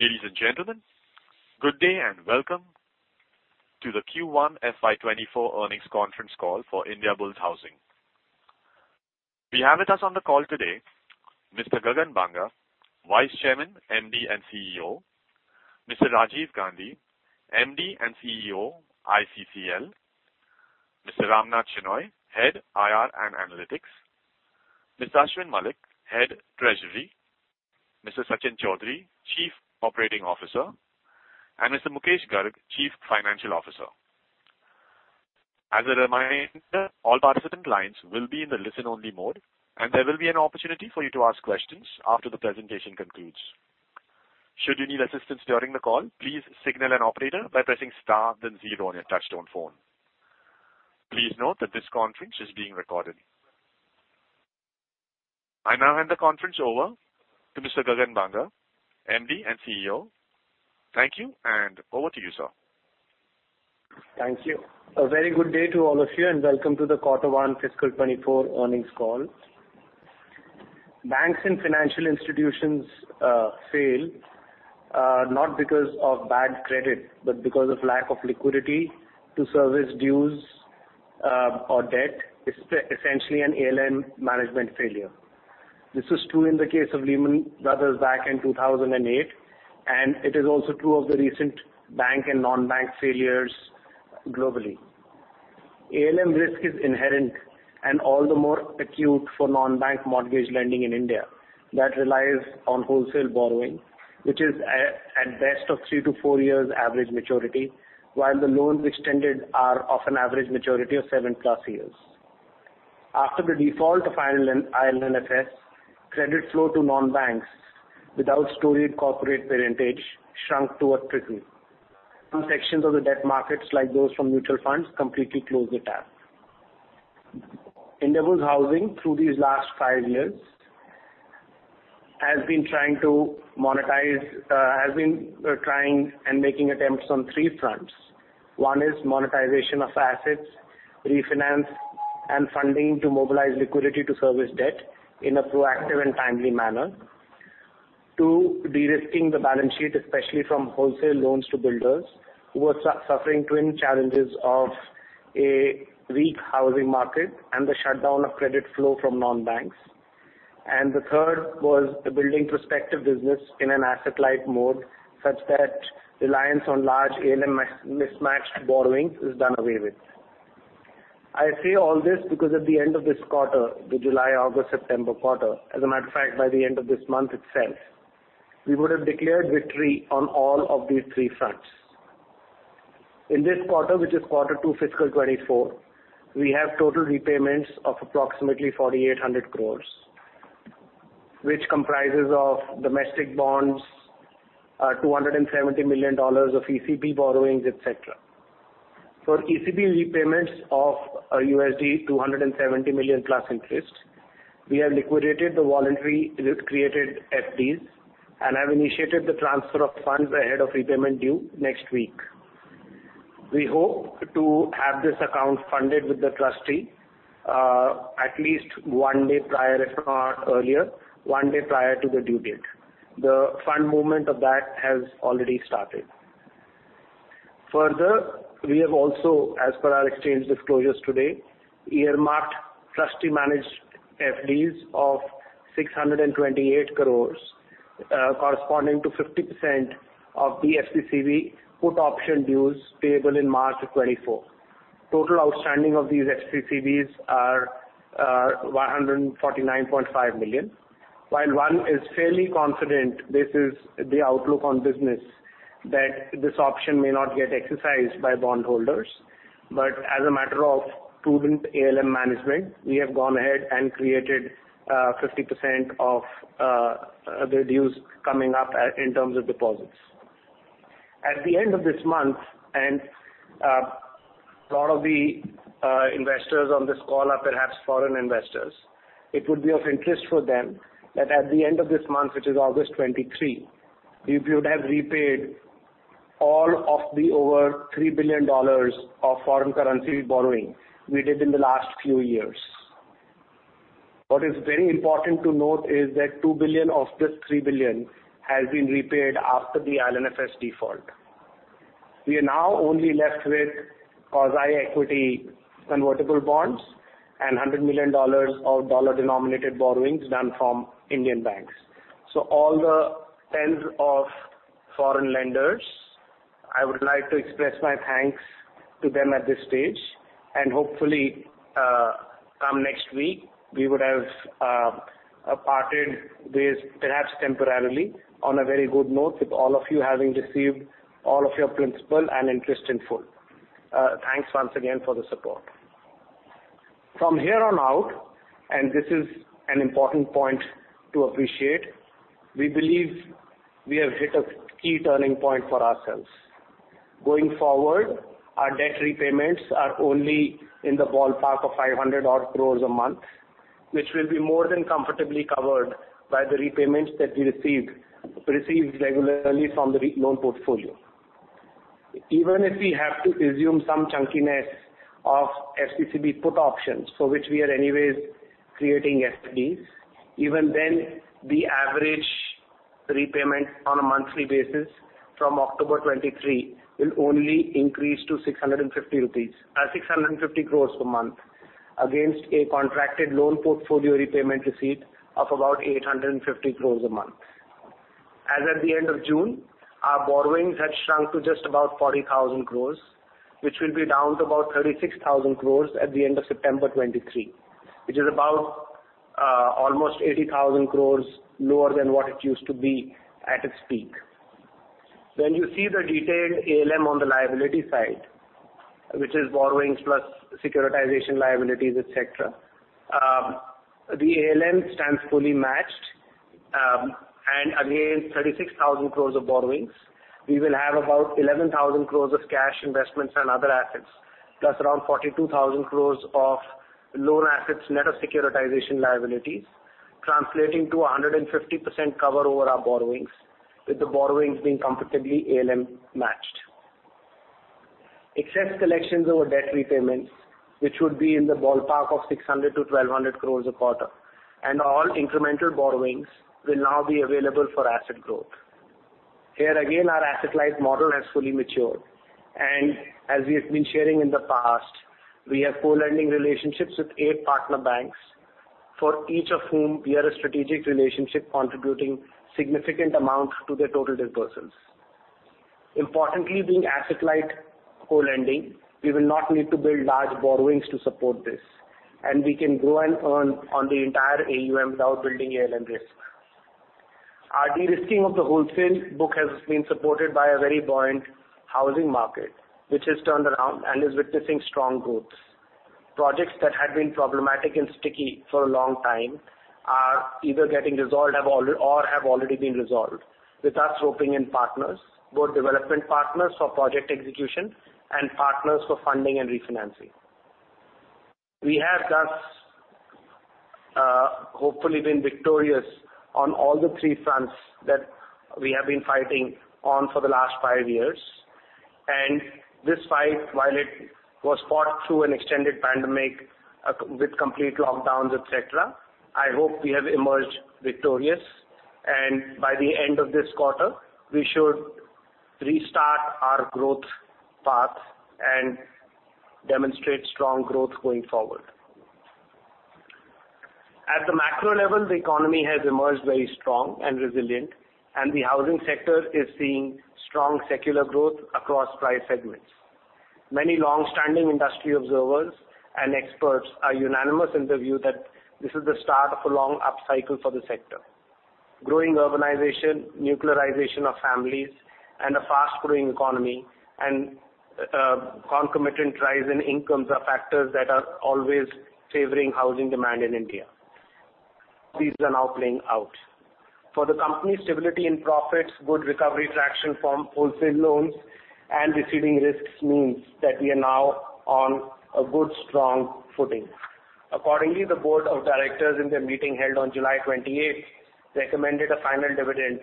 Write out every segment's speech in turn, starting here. Ladies and gentlemen, good day and welcome to the Q1 FY 2024 earnings conference call for Indiabulls Housing. We have with us on the call today, Mr. Gagan Banga, Vice Chairman, Managing Director and CEO; Mr. Rajiv Gandhi, Managing Director and CEO, ICCL; Mr. Ramnath Shenoy, Head, IR and Analytics; Mr. Ashwin Mallick, Head, Treasury; Mr. Sachin Chaudhary, Chief Operating Officer, and Mr. Mukesh Garg, Chief Financial Officer. As a reminder, all participant lines will be in the listen-only mode, and there will be an opportunity for you to ask questions after the presentation concludes. Should you need assistance during the call, please signal an operator by pressing star then zero on your touchtone phone. Please note that this conference is being recorded. I now hand the conference over to Mr. Gagan Banga, Managing Director and CEO. Thank you, and over to you, sir. Thank you. A very good day to all of you, and welcome to the Quarter 1 Fiscal 2024 earnings call. Banks and financial institutions fail not because of bad credit, but because of lack of liquidity to service dues or debt, essentially an ALM management failure. This is true in the case of Lehman Brothers back in 2008, and it is also true of the recent bank and non-bank failures globally. ALM risk is inherent and all the more acute for non-bank mortgage lending in India that relies on wholesale borrowing, which is at, at best of three to four years average maturity, while the loans extended are of an average maturity of 7+ years. After the default of IL&FS, credit flow to non-banks without storied corporate parentage shrunk to a trickle. Some sections of the debt markets, like those from mutual funds, completely closed the tap. Indiabulls Housing, through these last five years, has been trying to monetize, has been trying and making attempts on three fronts. One is monetization of assets, refinance, and funding to mobilize liquidity to service debt in a proactive and timely manner. Two, de-risking the balance sheet, especially from wholesale loans to builders, who are suffering twin challenges of a weak housing market and the shutdown of credit flow from non-banks. The third was building prospective business in an asset-light mode, such that reliance on large ALM mismatched borrowings is done away with. I say all this because at the end of this quarter, the July, August, September quarter, as a matter of fact, by the end of this month itself, we would have declared victory on all of these three fronts. In this quarter, which is Q2, fiscal 2024, we have total repayments of approximately 4,800 crore, which comprises of domestic bonds, $270 million of ECB borrowings, etc. For ECB repayments of $270 million plus interest, we have liquidated the voluntary created FDs and have initiated the transfer of funds ahead of repayment due next week. We hope to have this account funded with the trustee, at least one day prior, if not earlier, one day prior to the due date. The fund movement of that has already started. Further, we have also, as per our exchange disclosures today, earmarked trustee-managed FDs of 628 crore, corresponding to 50% of the FCCB put option dues payable in March of 2024. Total outstanding of these FCCBs are $149.5 million. While one is fairly confident this is the outlook on business, that this option may not get exercised by bondholders, but as a matter of prudent ALM management, we have gone ahead and created 50% of the dues coming up in terms of deposits. At the end of this month, a lot of the investors on this call are perhaps foreign investors, it would be of interest for them that at the end of this month, which is August 23, we would have repaid all of the over $3 billion of foreign currency borrowing we did in the last few years. What is very important to note is that $2 billion of this $3 billion has been repaid after the IL&FS default. We are now only left with quasi-equity convertible bonds and $100 million of dollar-denominated borrowings done from Indian banks. All the 10s of foreign lenders, I would like to express my thanks to them at this stage, and hopefully, come next week, we would have parted ways, perhaps temporarily, on a very good note with all of you having received all of your principal and interest in full. Thanks once again for the support. From here on out, and this is an important point to appreciate, we believe we have hit a key turning point for ourselves. Going forward, our debt repayments are only in the ballpark of 500 odd crore a month, which will be more than comfortably covered by the repayments that we received, receive regularly from the re- loan portfolio.... even if we have to assume some chunkiness of FCCB put options, for which we are anyways creating SPs, even then, the average repayment on a monthly basis from October 2023 will only increase to 650 crore per month, against a contracted loan portfolio repayment receipt of about 850 crore a month. As at the end of June, our borrowings had shrunk to just about 40,000 crore, which will be down to about 36,000 crore at the end of September 2023, which is about almost 80,000 crore lower than what it used to be at its peak. When you see the detailed ALM on the liability side, which is borrowings plus securitization liabilities, etc., the ALM stands fully matched. Against 36,000 crore of borrowings, we will have about 11,000 crore of cash investments and other assets, plus around 42,000 crore of loan assets net of securitization liabilities, translating to a 150% cover over our borrowings, with the borrowings being comfortably ALM matched. Excess collections over debt repayments, which would be in the ballpark of 600 crore-1,200 crore a quarter, all incremental borrowings will now be available for asset growth. Here, again, our asset-light model has fully matured, as we have been sharing in the past, we have co-lending relationships with eight partner banks, for each of whom we are a strategic relationship contributing significant amount to their total disbursements. Importantly, being asset-light co-lending, we will not need to build large borrowings to support this, and we can grow and earn on the entire AUM without building ALM risk. Our de-risking of the wholesale book has been supported by a very buoyant housing market, which has turned around and is witnessing strong growth. Projects that had been problematic and sticky for a long time are either getting resolved, or have already been resolved, with us roping in partners, both development partners for project execution and partners for funding and refinancing. We have, thus, hopefully been victorious on all the three fronts that we have been fighting on for the last five years. This fight, while it was fought through an extended pandemic, with complete lockdowns, etc., I hope we have emerged victorious, and by the end of this quarter, we should restart our growth path and demonstrate strong growth going forward. At the macro level, the economy has emerged very strong and resilient, and the housing sector is seeing strong secular growth across price segments. Many long-standing industry observers and experts are unanimous in the view that this is the start of a long upcycle for the sector. Growing urbanization, nuclearization of families, and a fast-growing economy, and concomitant rise in incomes are factors that are always favoring housing demand in India. These are now playing out. For the company, stability in profits, good recovery traction from wholesale loans, and receding risks means that we are now on a good, strong footing. Accordingly, the board of directors, in their meeting held on July 28th, recommended a final dividend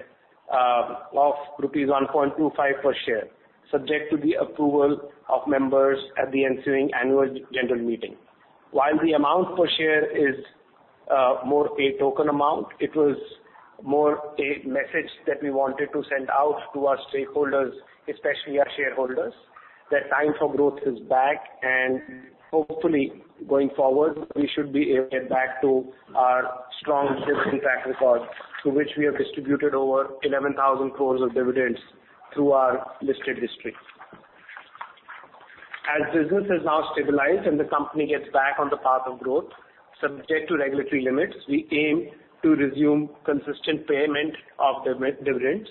of rupees 1.25 per share, subject to the approval of members at the ensuing annual general meeting. While the amount per share is more a token amount, it was more a message that we wanted to send out to our stakeholders, especially our shareholders, that time for growth is back, and hopefully, going forward, we should be able to get back to our strong dividend track record, through which we have distributed over 11,000 crore of dividends through our listed history. As business has now stabilized and the company gets back on the path of growth, subject to regulatory limits, we aim to resume consistent payment of dividends.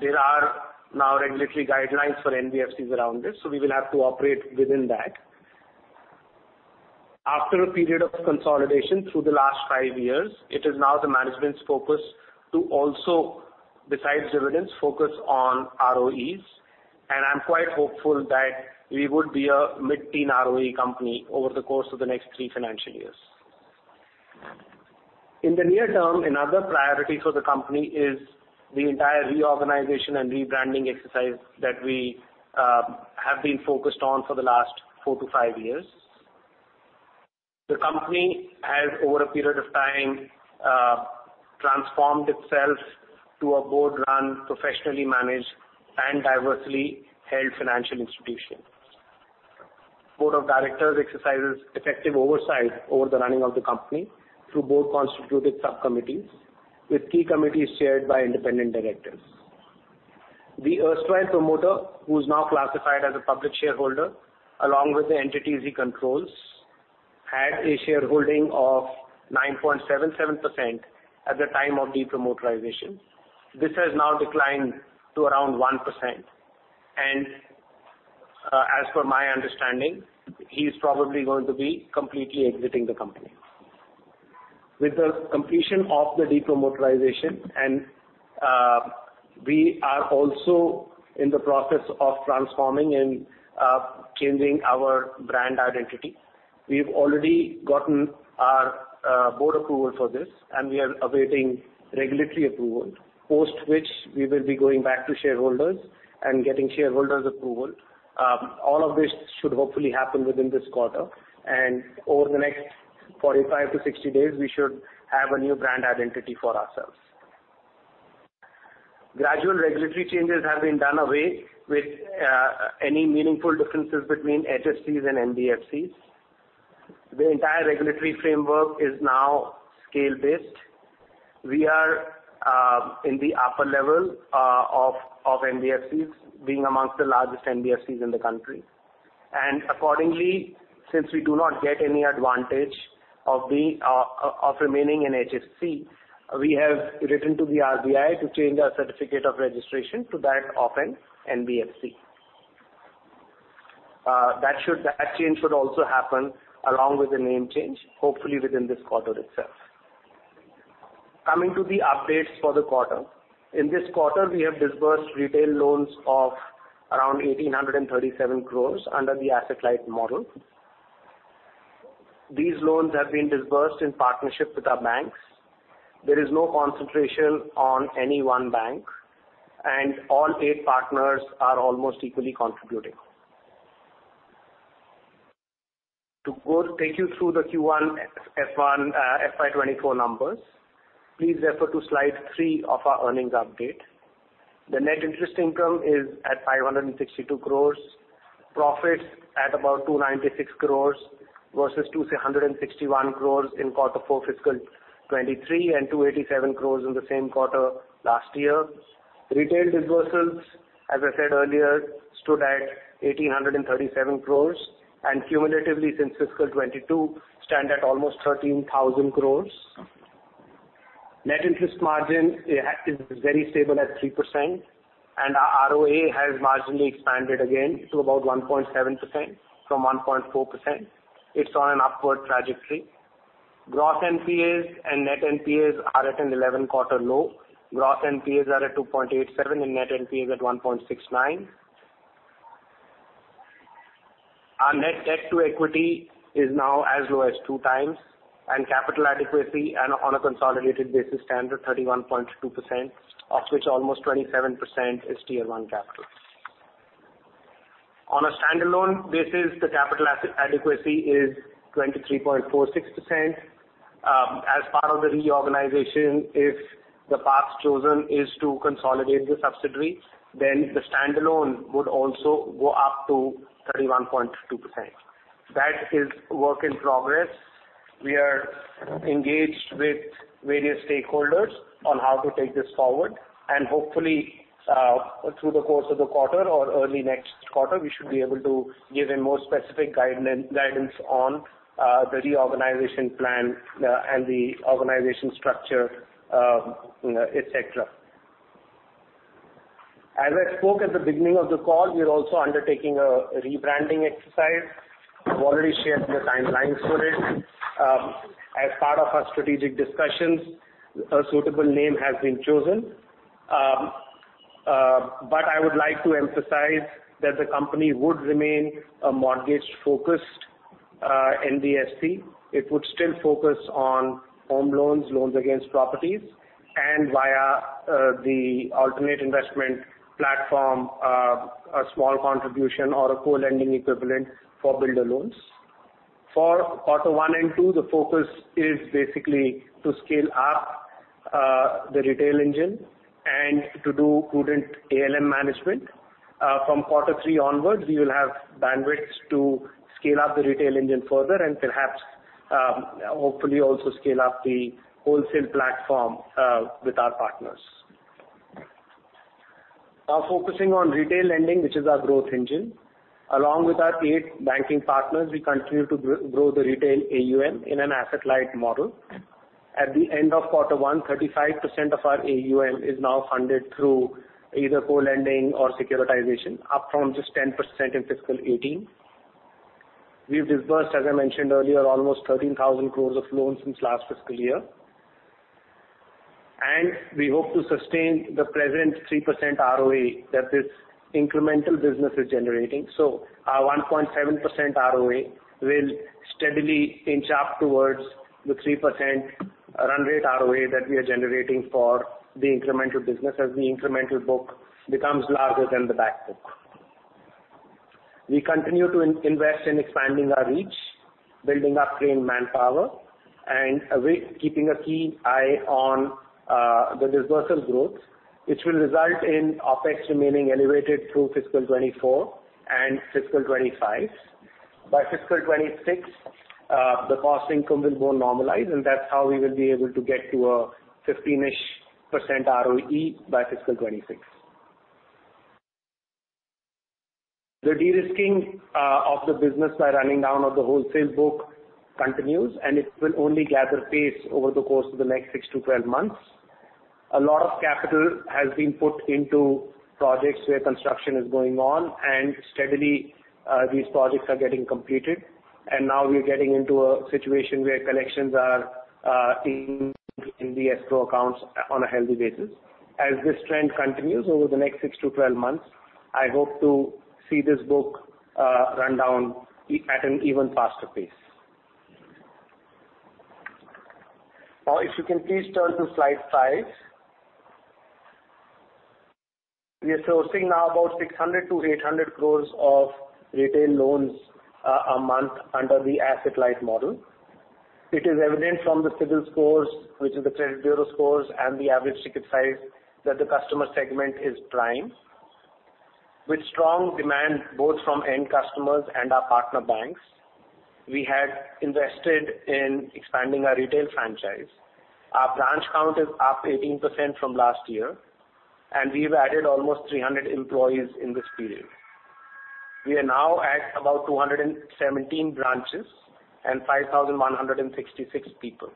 There are now regulatory guidelines for NBFCs around this, so we will have to operate within that. After a period of consolidation through the last five years, it is now the management's focus to also, besides dividends, focus on ROEs. I'm quite hopeful that we would be a mid-teen ROE company over the course of the next three financial years. In the near term, another priority for the company is the entire reorganization and rebranding exercise that we have been focused on for the last four to five years. The company has, over a period of time, transformed itself to a board-run, professionally managed, and diversely held financial institution. Board of directors exercises effective oversight over the running of the company through board constituted subcommittees, with key committees chaired by independent directors. The erstwhile promoter, who is now classified as a public shareholder, along with the entities he controls, had a shareholding of 9.77% at the time of de-promoterisation. This has now declined to around 1%. As per my understanding, he's probably going to be completely exiting the company. With the completion of the de-promoterisation, we are also in the process of transforming and changing our brand identity. We've already gotten our board approval for this, and we are awaiting regulatory approval, post which we will be going back to shareholders and getting shareholders' approval. All of this should hopefully happen within this quarter, and over the next 45 to 60 days, we should have a new brand identity for ourselves. Gradual regulatory changes have been done away with any meaningful differences between HFCs and NBFCs. The entire regulatory framework is now scale-based. We are in the upper level of NBFCs, being amongst the largest NBFCs in the country. Accordingly, since we do not get any advantage of remaining an HFC, we have written to the RBI to change our certificate of registration to that of an NBFC. That change should also happen along with the name change, hopefully within this quarter itself. Coming to the updates for the quarter. In this quarter, we have disbursed retail loans of around 1,837 crore under the asset-light model. These loans have been disbursed in partnership with our banks. There is no concentration on any one bank, and all eight partners are almost equally contributing. To go take you through the Q1, F1, FY 2024 numbers, please refer to slide three of our earnings update. The net interest income is at 562 crore. Profits at about 296 crore versus 261 crore in Q4, fiscal 2023, and 287 crore in the same quarter last year. Retail disbursements, as I said earlier, stood at 1,837 crore, and cumulatively since fiscal 2022, stand at almost 13,000 crore. Net interest margin is very stable at 3%, and our ROA has marginally expanded again to about 1.7% from 1.4%. It's on an upward trajectory. Gross NPAs and net NPAs are at an 11-quarter low. Gross NPAs are at 2.87, and net NPA is at 1.69. Our net debt-to-equity is now as low as 2x, and capital adequacy and on a consolidated basis, stand at 31.2%, of which almost 27% is Tier one capital. On a standalone basis, the capital adequacy is 23.46%. As part of the reorganization, if the path chosen is to consolidate the subsidiary, the standalone would also go up to 31.2%. That is work in progress. We are engaged with various stakeholders on how to take this forward, hopefully, through the course of the quarter or early next quarter, we should be able to give a more specific guidance on the reorganization plan and the organization structure, etc. As I spoke at the beginning of the call, we are also undertaking a rebranding exercise. I've already shared the timelines for it. As part of our strategic discussions, a suitable name has been chosen. I would like to emphasize that the company would remain a mortgage-focused NBFC. It would still focus on home loans, loans against properties, and via the alternative investment platform, a small contribution or a co-lending equivalent for builder loans. For quarter one and two, the focus is basically to scale up the retail engine and to do prudent ALM management. From quarter three onwards, we will have bandwidth to scale up the retail engine further and perhaps, hopefully, also scale up the wholesale platform with our partners. Now, focusing on retail lending, which is our growth engine. Along with our eight banking partners, we continue to grow the retail AUM in an asset-light model. At the end of quarter one, 35% of our AUM is now funded through either co-lending or securitization, up from just 10% in fiscal 2018. We've disbursed, as I mentioned earlier, almost 13,000 crore of loans since last fiscal year. We hope to sustain the present 3% ROE that this incremental business is generating. Our 1.7% ROE will steadily inch up towards the 3% run rate ROE that we are generating for the incremental business, as the incremental book becomes larger than the back book. We continue to invest in expanding our reach, building up trained manpower, and we keeping a keen eye on the dispersal growth, which will result in OpEx remaining elevated through fiscal 2024 and fiscal 2025. By fiscal 2026, the cost income will more normalize, and that's how we will be able to get to a 15%-ish ROE by fiscal 2026. The de-risking of the business by running down of the wholesale book continues. It will only gather pace over the course of the next six-12 months. A lot of capital has been put into projects where construction is going on, and steadily, these projects are getting completed. Now we are getting into a situation where collections are in the escrow accounts on a healthy basis. As this trend continues over the next six-12 months, I hope to see this book run down at an even faster pace. Now, if you can please turn to slide five. We are sourcing now about 600-800 crore of retail loans a month under the asset-light model. It is evident from the CIBIL scores, which is the credit bureau scores, and the average ticket size, that the customer segment is prime. With strong demand both from end customers and our partner banks, we had invested in expanding our retail franchise. Our branch count is up 18% from last year, and we've added almost 300 employees in this period. We are now at about 217 branches and 5,166 people.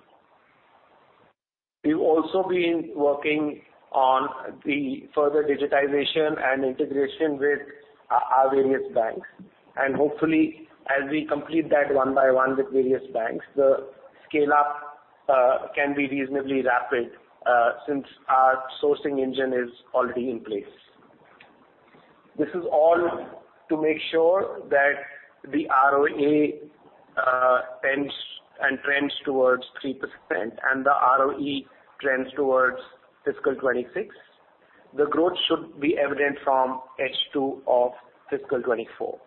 We've also been working on the further digitization and integration with our, our various banks, and hopefully, as we complete that one by one with various banks, the scale up can be reasonably rapid since our sourcing engine is already in place. This is all to make sure that the ROA ends and trends towards 3% and the ROE trends towards fiscal 2026. The growth should be evident from H2 of fiscal 2024.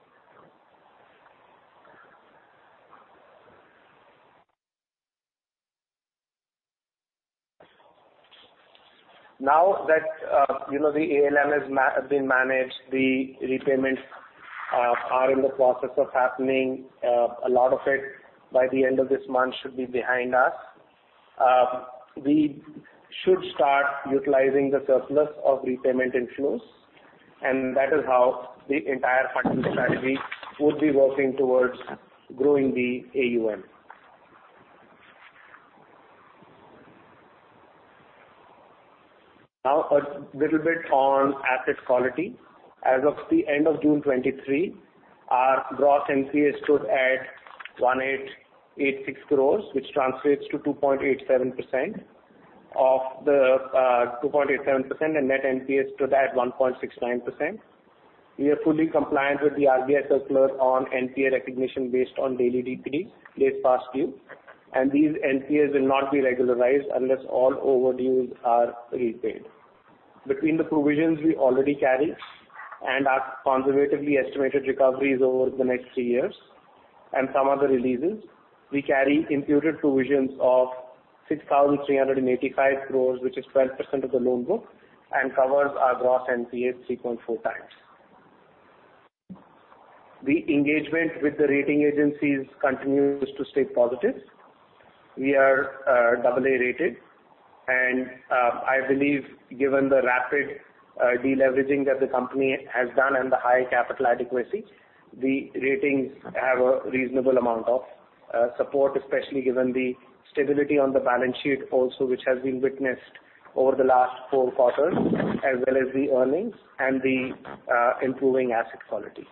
Now that, you know, the ALM has been managed, the repayments, are in the process of happening. A lot of it, by the end of this month, should be behind us. We should start utilizing the surplus of repayment inflows. That is how the entire funding strategy would be working towards growing the AUM. A little bit on asset quality. As of the end of June 2023, our Gross NPA stood at 1,886 crore, which translates to 2.87%. And Net NPA stood at 1.69%. We are fully compliant with the RBI circular on NPA recognition based on daily DPD, late past due, and these NPAs will not be regularized unless all overdues are repaid. Between the provisions we already carry and our conservatively estimated recoveries over the next three years and some other releases, we carry imputed provisions of 6,385 crore, which is 12% of the loan book, and covers our Gross NPA 3.4x. The engagement with the rating agencies continues to stay positive. We are AA-rated, and I believe, given the rapid de-leveraging that the company has done and the high capital adequacy, the ratings have a reasonable amount of support, especially given the stability on the balance sheet also, which has been witnessed over the last four quarters, as well as the earnings and the improving asset quality.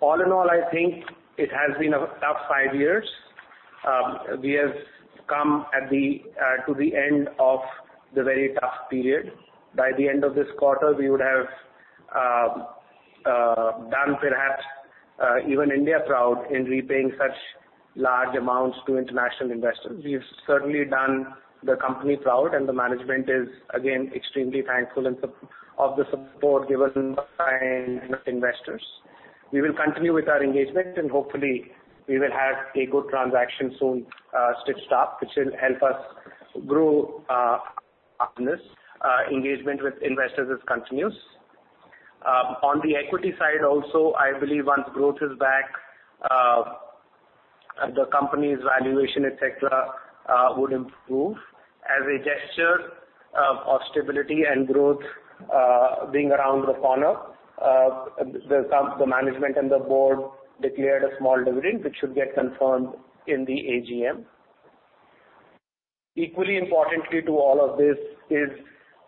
All in all, I think it has been a tough five years. We have come at the to the end of the very tough period. By the end of this quarter, we would have done perhaps even India proud in repaying such large amounts to international investors. We've certainly done the company proud, and the management is again extremely thankful and of the support given by investors. We will continue with our engagement, and hopefully, we will have a good transaction soon stitched up, which will help us grow partners. Engagement with investors is continuous. On the equity side, also, I believe once growth is back, the company's valuation, etc., would improve. As a gesture of stability and growth being around the corner, the management and the board declared a small dividend, which should get confirmed in the AGM. Equally importantly to all of this is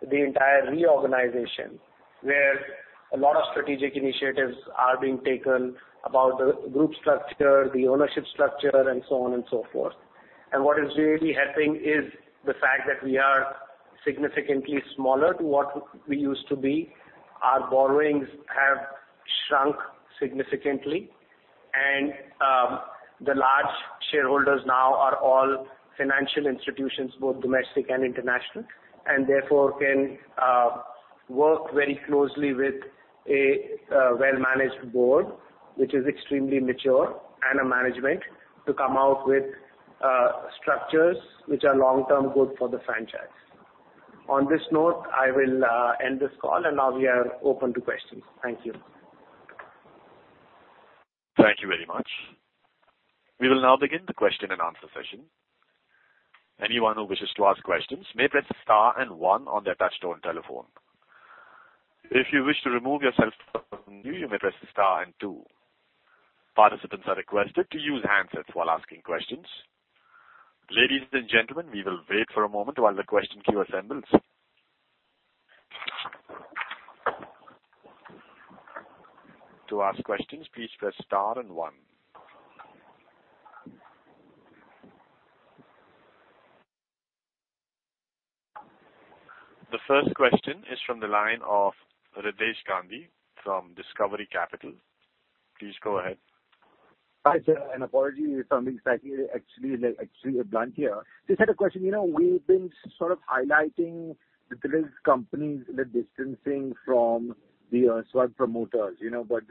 the entire reorganization, where a lot of strategic initiatives are being taken about the group structure, the ownership structure, and so on and so forth. What is really helping is the fact that we are significantly smaller to what we used to be. Our borrowings have shrunk significantly, and the large shareholders now are all financial institutions, both domestic and international, and therefore, can work very closely with a well-managed board, which is extremely mature, and a management to come out with structures which are long-term good for the franchise. On this note, I will end this call and now we are open to questions. Thank you. Thank you very much. We will now begin the question-and-answer session. Anyone who wishes to ask questions may press star one on their touchtone telephone. If you wish to remove yourself from mute, you may press star two. Participants are requested to use handsets while asking questions. Ladies and gentlemen, we will wait for a moment while the question queue assembles. To ask questions, please press star one. The first question is from the line of Riddhesh Gandhi from Discovery Capital. Please go ahead. Hi, sir, apologies for being slightly actually, actually blunt here. Just had a question. You know, we've been sort of highlighting the companies, the distancing from the erstwhile promoters, you know. But,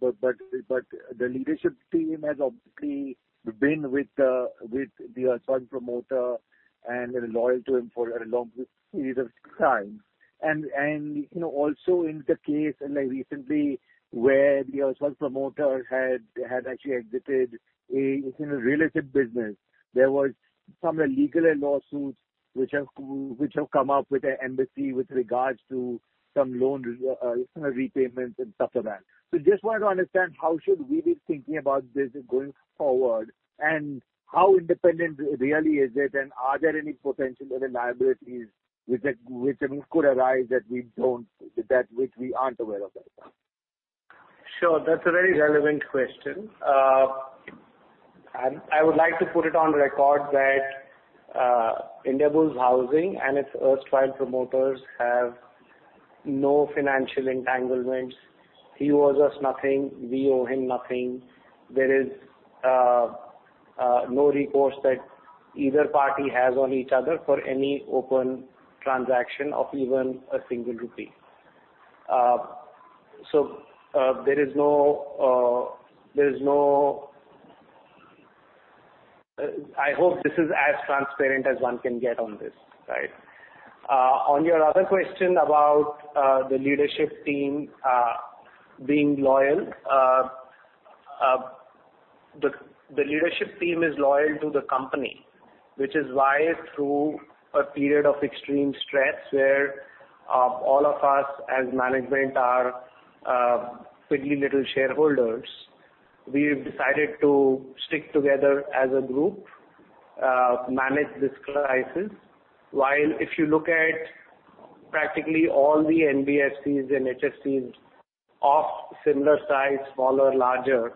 but, but the leadership team has obviously been with the, with the erstwhile promoter and been loyal to him for a long period of time. And, you know, also in the case, and like recently, where the erstwhile promoter had, had actually exited a, in a relative business, there was some legal lawsuits which have, which have come up with the NBFC with regards to some loan repayments and stuff like that. Just want to understand, how should we be thinking about this going forward, and how independent really is it? Are there any potential other liabilities which, which could arise that we don't, that which we aren't aware of right now? Sure, that's a very relevant question. I, I would like to put it on record that Indiabulls Housing and its erstwhile promoters have no financial entanglements. He owes us nothing. We owe him nothing. There is no recourse that either party has on each other for any open transaction of even a single rupee. There is no. I hope this is as transparent as one can get on this, right? On your other question about the leadership team being loyal, the leadership team is loyal to the company, which is why through a period of extreme stress, where all of us as management are pretty little shareholders, we've decided to stick together as a group, manage this crisis. While if you look at practically all the NBFCs and HFCs of similar size, smaller, larger,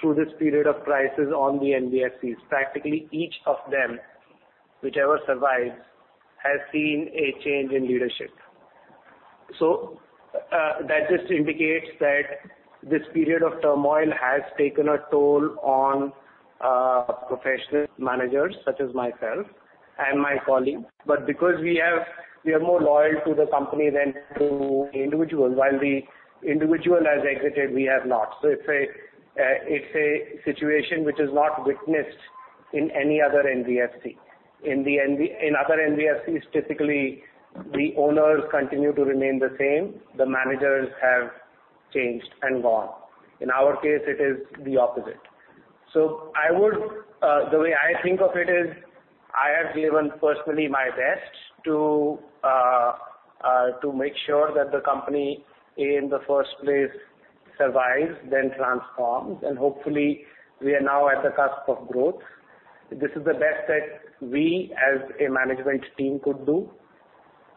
through this period of crisis on the NBFCs, practically each of them, whichever survives, has seen a change in leadership. That just indicates that this period of turmoil has taken a toll on professional managers such as myself and my colleagues. Because we are more loyal to the company than to individuals, while the individual has exited, we have not. It's a, it's a situation which is not witnessed in any other NBFC. In other NBFCs, typically, the owners continue to remain the same, the managers have changed and gone. In our case, it is the opposite. I would, the way I think of it is, I have given personally my best to, to make sure that the company, in the first place, survives, then transforms, and hopefully we are now at the cusp of growth. This is the best that we as a management team could do.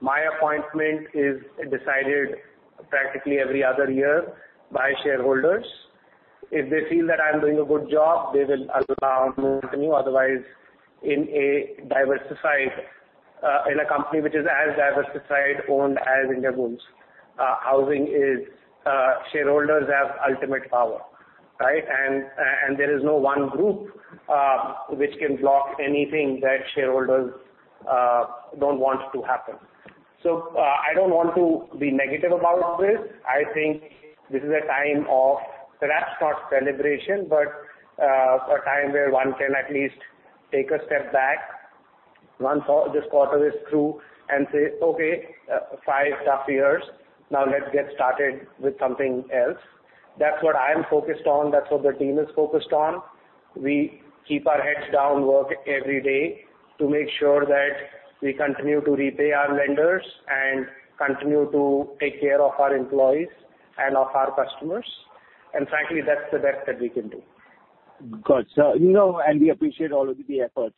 My appointment is decided practically every other year by shareholders. If they feel that I'm doing a good job, they will allow me to continue. Otherwise, in a diversified, in a company which is as diversified, owned as Indiabulls Housing is, shareholders have ultimate power, right? And, and there is no one group, which can block anything that shareholders don't want to happen. I don't want to be negative about this. I think this is a time of perhaps not celebration, but, a time where one can at least take a step back, once all this quarter is through and say: Okay, five tough years. Now let's get started with something else. That's what I am focused on. That's what the team is focused on. We keep our heads down, work every day to make sure that we continue to repay our lenders and continue to take care of our employees and of our customers. Frankly, that's the best that we can do. Good. You know, we appreciate all of the effort.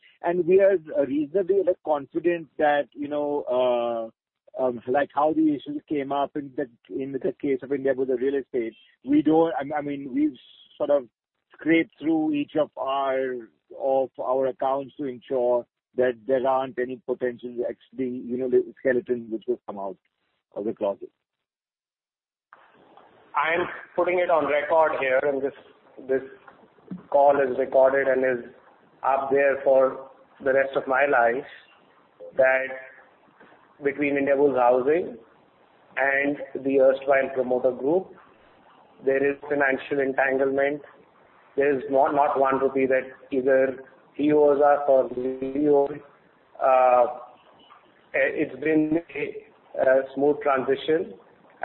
We are reasonably confident that, you know, like how the issues came up in the, in the case of Indiabulls Real Estate, we don't... I, I mean, we've sort of scraped through each of our, of our accounts to ensure that there aren't any potential XD, you know, skeletons which will come out of the closet. I'm putting it on record here, and this, this call is recorded and is up there for the rest of my life, that between Indiabulls Housing and the erstwhile promoter group, there is financial entanglement. There's not 1 rupee that either he owes us or we owe. It's been a smooth transition.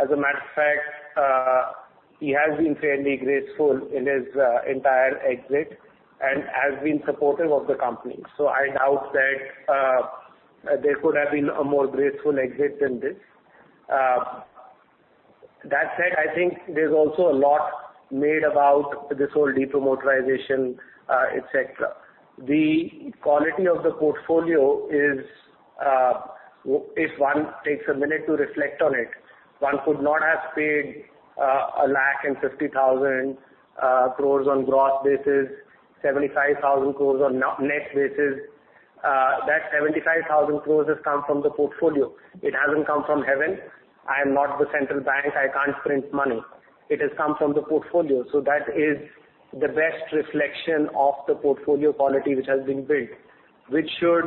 As a matter of fact, he has been fairly graceful in his entire exit and has been supportive of the company. I doubt that there could have been a more graceful exit than this. That said, I think there's also a lot made about this whole demonetization, etc. The quality of the portfolio is, if one takes a minute to reflect on it, one could not have paid 150,000 crore on gross basis. 75,000 crore on net basis, that 75,000 crore has come from the portfolio. It hasn't come from heaven. I am not the central bank, I can't print money. It has come from the portfolio, so that is the best reflection of the portfolio quality which has been built, which should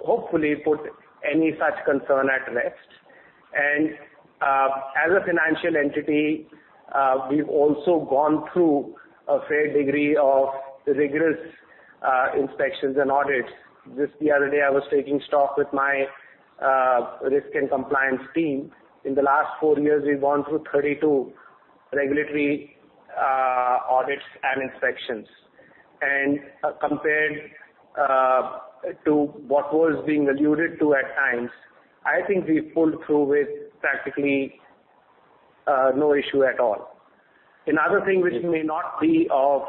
hopefully put any such concern at rest. As a financial entity, we've also gone through a fair degree of rigorous inspections and audits. Just the other day, I was taking stock with my risk and compliance team. In the last four years, we've gone through 32 regulatory audits and inspections. Compared to what was being alluded to at times, I think we pulled through with practically no issue at all. Another thing which may not be of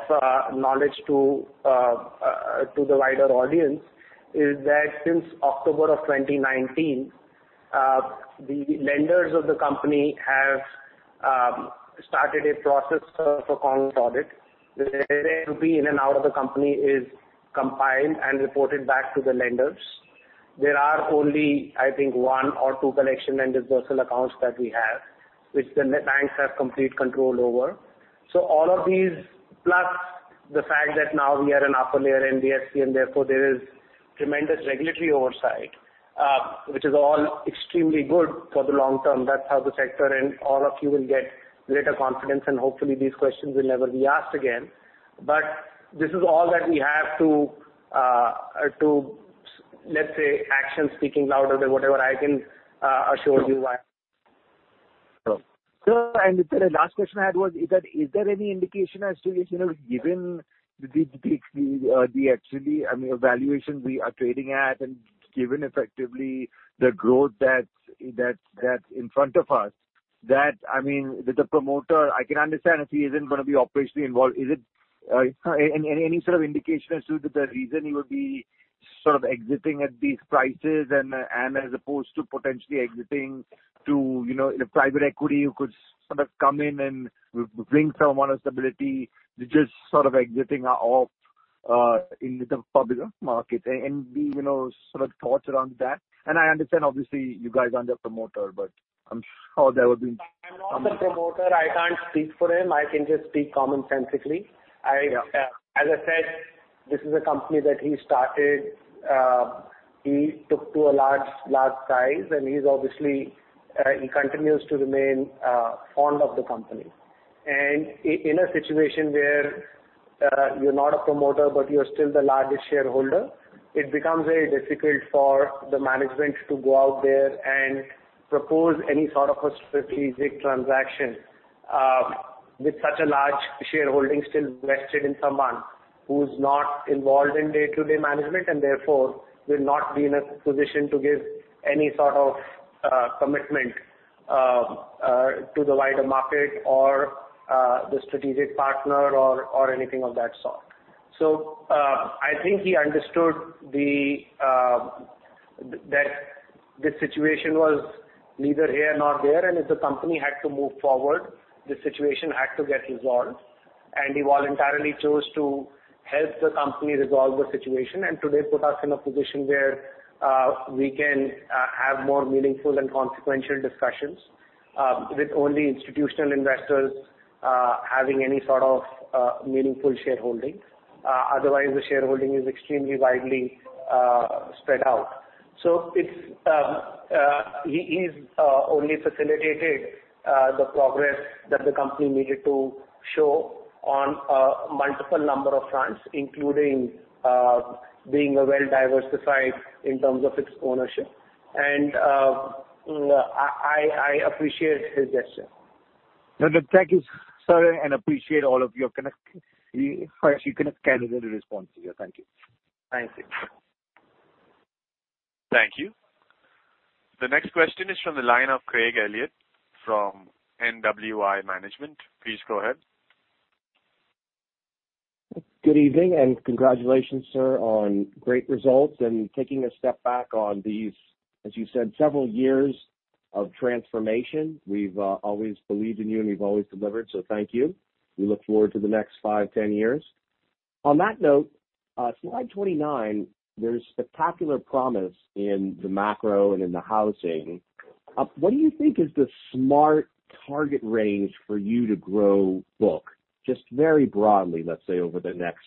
knowledge to the wider audience is that since October of 2019, the lenders of the company have started a process for common audit. The rupee in and out of the company is compiled and reported back to the lenders. There are only, I think, one or two collection and dispersal accounts that we have, which the banks have complete control over. All of these, plus the fact that now we are an upper layer NBFC, and therefore, there is tremendous regulatory oversight, which is all extremely good for the long term. That's how the sector and all of you will get greater confidence, and hopefully, these questions will never be asked again. This is all that we have to, to, let's say, action speaking louder than whatever I can, assure you why. Sir, the last question I had was, is that, is there any indication as to, you know, given the, the, the, actually, I mean, the valuation we are trading at, and given effectively the growth that's, that's, that's in front of us, that, I mean, with the promoter, I can understand if he isn't gonna be operationally involved. Is it any, any, any sort of indication as to the reason he would be sort of exiting at these prices, as opposed to potentially exiting to, you know, in a private equity, who could sort of come in and bring some honesty, just sort of exiting off, in the public market? We, you know, sort of thoughts around that. I understand, obviously, you guys aren't the promoter, but I'm sure there would be. I'm not the promoter. I can't speak for him. I can just speak commonsensically. Yeah. I, as I said, this is a company that he started, he took to a large, large size, and he's obviously, he continues to remain fond of the company. In a situation where, you're not a promoter, but you're still the largest shareholder, it becomes very difficult for the management to go out there and propose any sort of a strategic transaction, with such a large shareholding still vested in someone who's not involved in day-to-day management, and therefore, will not be in a position to give any sort of commitment to the wider market or the strategic partner or anything of that sort. I think he understood that the situation was neither here nor there, and if the company had to move forward, the situation had to get resolved. He voluntarily chose to help the company resolve the situation, and today put us in a position where we can have more meaningful and consequential discussions with only institutional investors having any sort of meaningful shareholding. Otherwise, the shareholding is extremely widely spread out. It's he, he's only facilitated the progress that the company needed to show on a multiple number of fronts, including being well diversified in terms of its ownership. I, I appreciate his gesture. Look, thank you, sir, and appreciate all of your connectivity response to you. Thank you. Thank you. Thank you. The next question is from the line of Craig Elliot from NWI Management. Please go ahead. Good evening, and congratulations, sir, on great results and taking a step back on these, as you said, several years of transformation. We've always believed in you, and you've always delivered. Thank you. We look forward to the next five, 10 years. On that note, slide 29, there's spectacular promise in the macro and in the housing. What do you think is the smart target range for you to grow book, just very broadly, let's say, over the next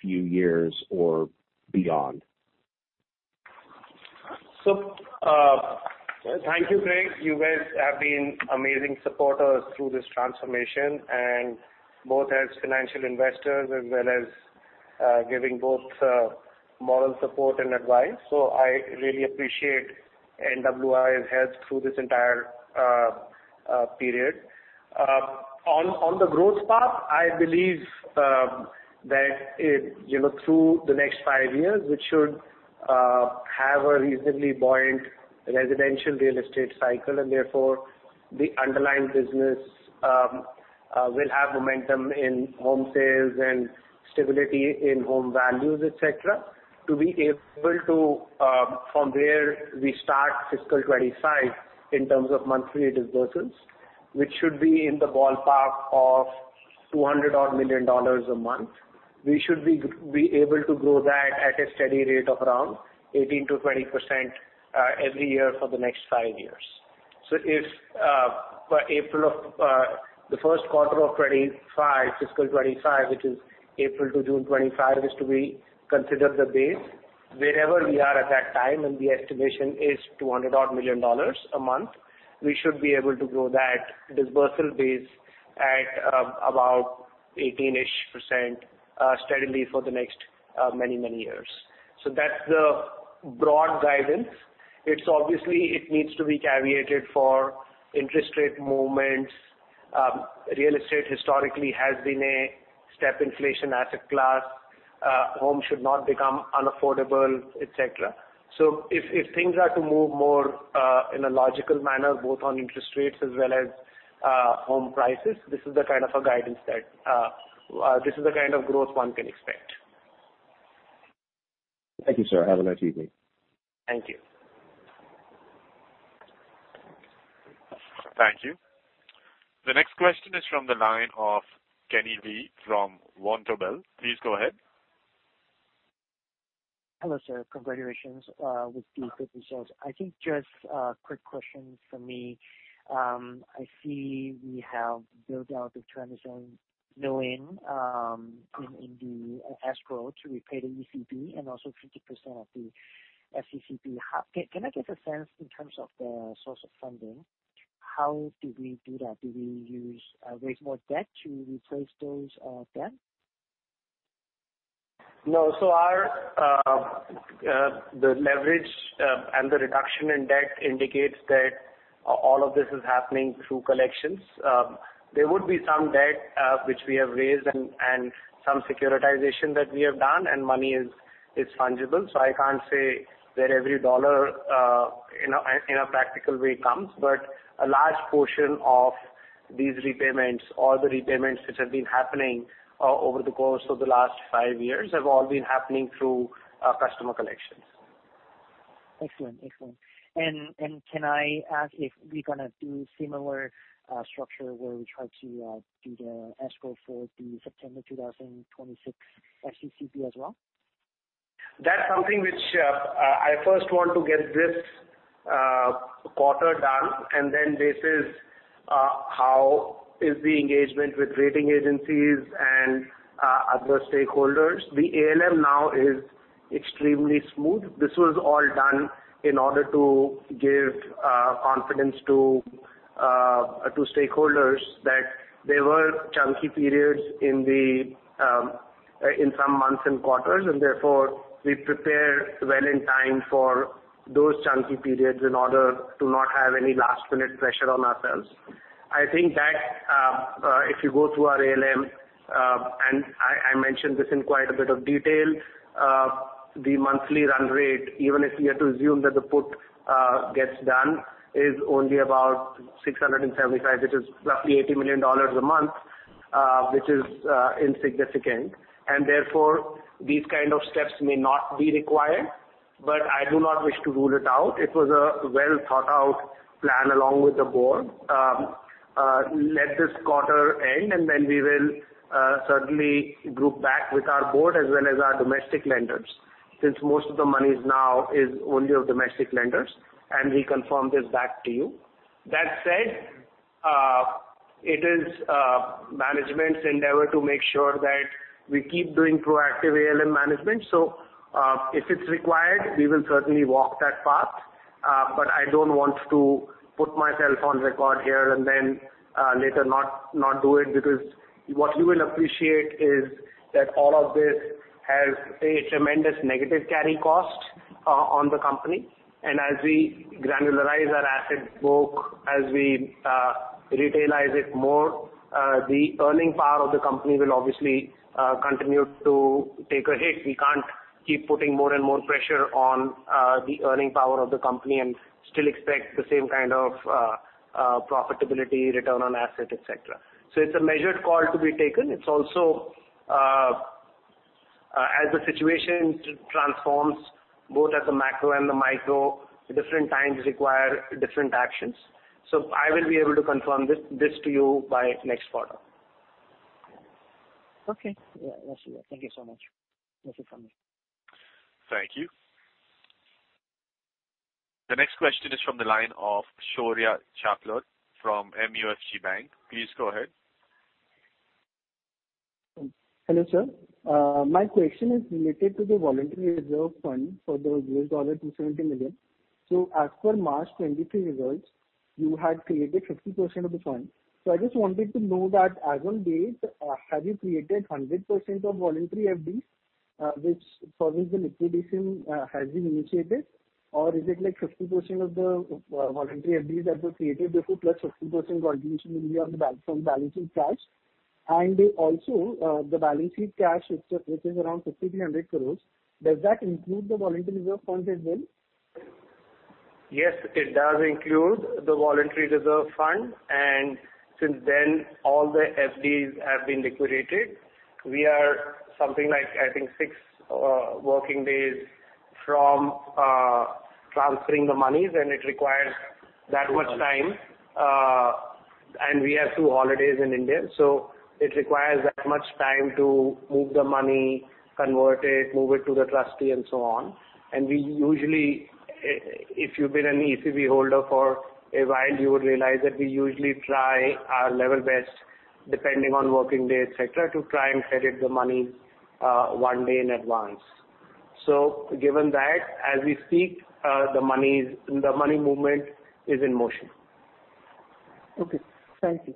few years or beyond? Thank you, Craig. You guys have been amazing supporters through this transformation and both as financial investors as well as giving both moral support and advice. I really appreciate NWI's help through this entire period. On the growth path, I believe that it, you know, through the next five years, we should have a reasonably buoyant residential real estate cycle, and therefore, the underlying business will have momentum in home sales and stability in home values, etc. To be able to, from where we start fiscal 2025 in terms of monthly disbursements, which should be in the ballpark of $200 odd million a month, we should be able to grow that at a steady rate of around 18%-20% every year for the next five years. If, by April of the first quarter of 2025, fiscal 2025, which is April to June 2025, is to be considered the base, wherever we are at that time, and the estimation is $200 odd million a month, we should be able to grow that dispersal base at about 18% steadily for the next many, many years. That's the broad guidance. It's obviously, it needs to be caveated for interest rate movements. Real estate historically has been a step inflation asset class, home should not become unaffordable, etc. If, if things are to move more in a logical manner, both on interest rates as well as home prices, this is the kind of a guidance that this is the kind of growth one can expect. Thank you, sir. Have a nice evening. Thank you. Thank you. The next question is from the line of Kenny Lee from Vontobel. Please go ahead. Hello, sir. Congratulations, with the good results. I think just a quick question from me. I see we have built out the transition knowing, in, in the escrow to repay the ECB and also 50% of the FCCB. Can I get a sense in terms of the source of funding? How did we do that? Do we use, raise more debt to replace those, debt? No. Our, the leverage, and the reduction in debt indicates that all of this is happening through collections. There would be some debt, which we have raised and, and some securitization that we have done, and money is, is fungible, so I can't say where every dollar in a, in a practical way comes. A large portion of these repayments or the repayments which have been happening over the course of the last five years, have all been happening through customer collections. Excellent. Excellent. Can I ask if we're gonna do similar structure where we try to do the escrow for the September 2026 FCCB as well? That's something which, I, I first want to get this quarter done. This is how is the engagement with rating agencies and other stakeholders. The ALM now is extremely smooth. This was all done in order to give confidence to to stakeholders that there were chunky periods in the in some months and quarters, and therefore, we prepare well in time for those chunky periods in order to not have any last-minute pressure on ourselves. I think that, if you go through our ALM, and I, I mentioned this in quite a bit of detail, the monthly run rate, even if we are to assume that the put gets done, is only about $675, which is roughly $80 million a month, which is insignificant. Therefore, these kind of steps may not be required, but I do not wish to rule it out. It was a well-thought-out plan along with the board. Let this quarter end, and then we will certainly group back with our board as well as our domestic lenders, since most of the money is now is only of domestic lenders, and we confirm this back to you. That said, it is management's endeavor to make sure that we keep doing proactive ALM management. So, if it's required, we will certainly walk that path, but I don't want to put myself on record here and then later, not, not do it, because what you will appreciate is that all of this has a tremendous negative carry cost on the company. As we granularize our asset book, as we retailize it more, the earning power of the company will obviously continue to take a hit. We can't keep putting more and more pressure on the earning power of the company and still expect the same kind of profitability, return on asset, etc. It's a measured call to be taken. It's also as the situation transforms, both at the macro and the micro, different times require different actions. I will be able to confirm this, this to you by next quarter. Okay. Yeah, I see that. Thank you so much. That's it from me. Thank you. The next question is from the line of Shorya Chaplot from MUFG Bank. Please go ahead. Hello, sir. My question is related to the voluntary reserve fund for the $270 million. As per March 2023 results, you had created 50% of the fund. I just wanted to know that as on date, have you created 100% of voluntary FDs, which for which the liquidation has been initiated? Or is it like 50% of the voluntary FDs that were created before, plus 50% origination will be on the bal- from balance sheet cash? Also, the balance sheet cash, which, which is around 5,300 crore, does that include the voluntary reserve fund as well? Yes, it does include the voluntary reserve fund, and since then, all the FDs have been liquidated. We are something like, I think, six working days from transferring the monies, and it requires that much time, and we have two holidays in India, so it requires that much time to move the money, convert it, move it to the trustee, and so on. We usually, if you've been an ECB holder for a while, you would realize that we usually try our level best, depending on working day, etc., to try and credit the money one day in advance. Given that, as we speak, the money movement is in motion. Okay. Thank you.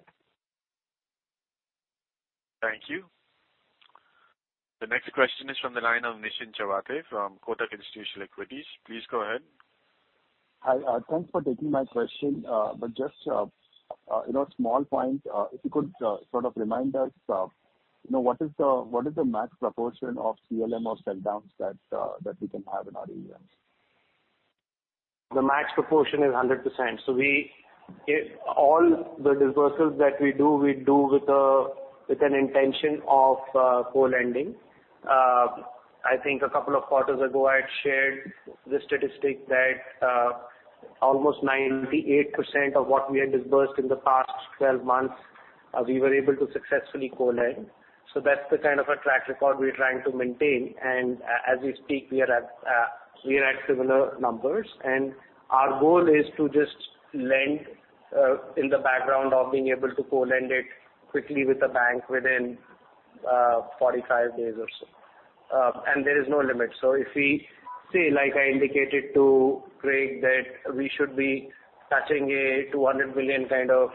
Thank you. The next question is from the line of Nischint Chawathe from Kotak Institutional Equities. Please go ahead. Hi, thanks for taking my question. Just, you know, small point, if you could, sort of remind us of, you know, what is the, what is the max proportion of CLM or sell downs that we can have in our AUMs? The max proportion is 100%. We, if all the dispersals that we do, we do with an intention of co-lending. I think a couple of quarters ago, I had shared the statistic that almost 98% of what we had disbursed in the past 12 months, we were able to successfully co-lend. That's the kind of a track record we're trying to maintain, and as we speak, we are at similar numbers. Our goal is to just lend in the background of being able to co-lend it quickly with the bank within 45 days or so. There is no limit. If we say, like I indicated to Craig, that we should be touching a $200 million kind of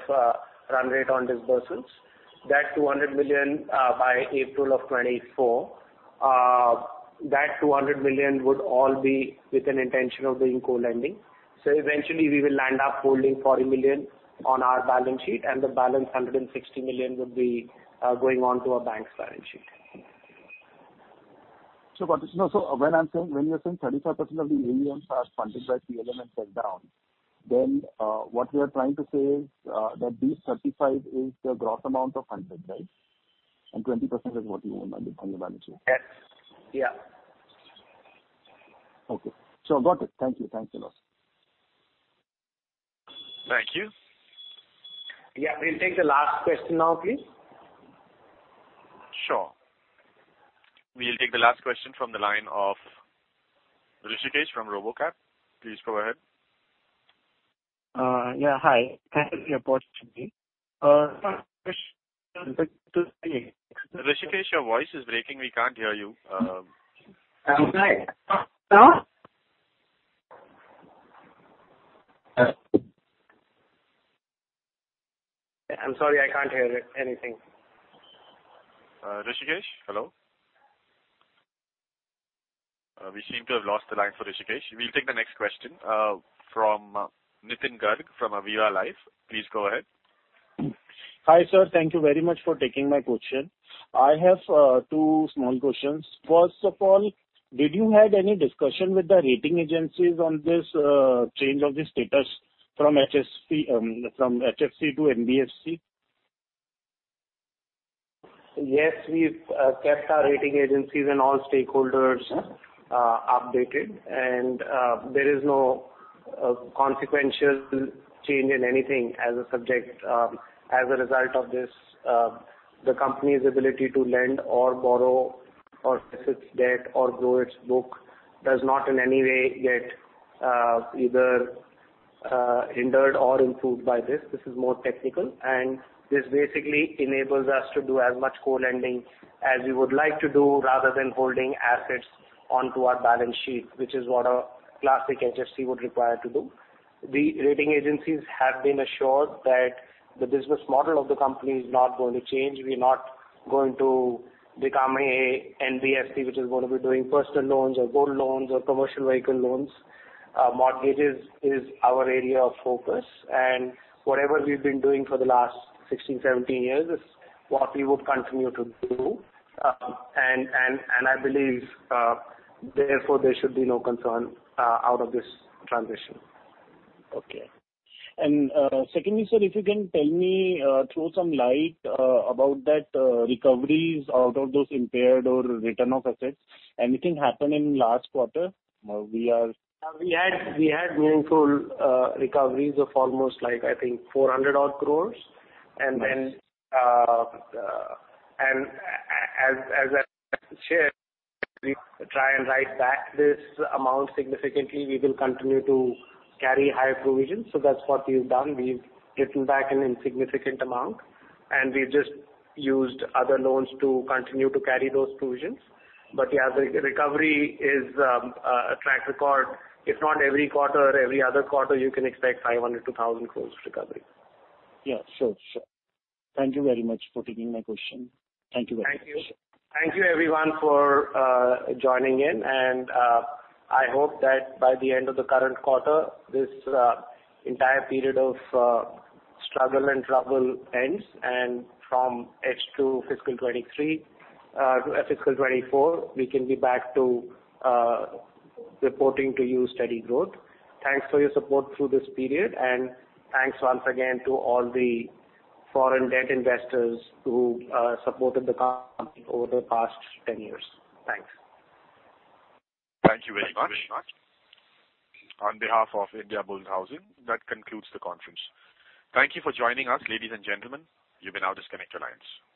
run rate on disbursements. That 200 million by April of 2024, that 200 million would all be with an intention of doing co-lending. Eventually we will land up holding 40 million on our balance sheet, and the balance, 160 million, would be going on to our bank's balance sheet. You know, when I'm saying, when you are saying 35% of the AUMs are funded by CLM and sell downs, what we are trying to say is that these 35 is the gross amount of funded, right? 20% is what you own on your balance sheet. Yes. Yeah. Okay. Got it. Thank you. Thanks a lot. Thank you. Yeah, we'll take the last question now, please. Sure. We'll take the last question from the line of Rishikesh from Robocap. Please go ahead. Yeah, hi. Thank you for your support to me. Rishikesh, your voice is breaking. We can't hear you. I'm sorry. Huh? I'm sorry, I can't hear it, anything. Rishikesh, hello? We seem to have lost the line for Rishikesh. We'll take the next question, from Nitin Garg, from Aviva Life. Please go ahead. Hi, sir. Thank you very much for taking my question. I have two small questions. First of all, did you have any discussion with the rating agencies on this change of the status from HFC, from HFC to NBFC? Yes, we've kept our rating agencies and all stakeholders updated, and there is no consequential change in anything as a subject. As a result of this, the company's ability to lend or borrow or fix its debt or grow its book, does not in any way get either hindered or improved by this. This is more technical, and this basically enables us to do as much co-lending as we would like to do, rather than holding assets onto our balance sheet, which is what a classic HFC would require to do. The rating agencies have been assured that the business model of the company is not going to change. We're not going to become a NBFC, which is going to be doing personal loans or gold loans or commercial vehicle loans. Mortgages is our area of focus, and whatever we've been doing for the last 16, 17 years is what we would continue to do. I believe, therefore, there should be no concern out of this transition. Okay. Secondly, sir, if you can tell me, throw some light, about that, recoveries out of those impaired or return of assets. Anything happened in last quarter? we are- We had, we had meaningful, recoveries of almost like, I think, 400 odd crore. Nice. As I shared, we try and write back this amount significantly. We will continue to carry higher provisions. That's what we've done. We've written back an insignificant amount, and we've just used other loans to continue to carry those provisions. Yeah, the recovery is a track record. If not every quarter, every other quarter, you can expect 500 crore-1,000 crore recovery. Yeah, sure. Sure. Thank you very much for taking my question. Thank you very much. Thank you. Thank you everyone for joining in. I hope that by the end of the current quarter, this entire period of struggle and trouble ends, and from H2 fiscal 2023, fiscal 2024, we can be back to reporting to you steady growth. Thanks for your support through this period, and thanks once again to all the foreign debt investors who supported the company over the past 10 years. Thanks. Thank you very much. On behalf of Indiabulls Housing Finance, that concludes the conference. Thank you for joining us, ladies and gentlemen. You may now disconnect your lines.